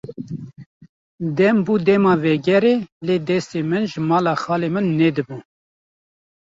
Dem bû dema vegerê, lê destê me ji mala xalê min nedibû.